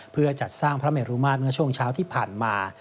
เพื่อจัดสร้างพระเมรุมาตรเมื่อช่วงเช้าที่ผ่านมา